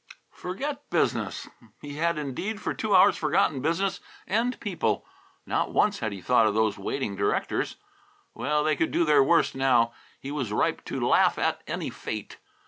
"Forget business!" He had indeed for two hours forgotten business and people. Not once had he thought of those waiting directors. Well, they could do their worst, now. He was ripe to laugh at any fate.